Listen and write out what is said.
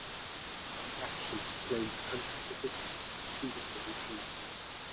The actions claimed hundreds of victims, including many Jews.